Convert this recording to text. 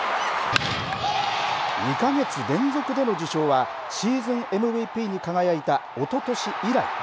２か月連続での受賞はシーズンＭＶＰに輝いたおととし以来。